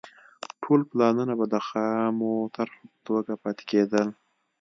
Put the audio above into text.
ټول پلانونه به د خامو طرحو په توګه پاتې کېدل.